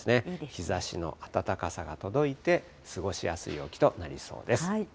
日ざしの暖かさが届いて、過ごしやすい陽気となりそうです。